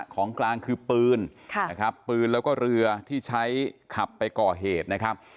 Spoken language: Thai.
ของกลางคือปืนนะครับปืนแล้วก็เรือที่ใช้ขับไปก่อเหตุนะครับ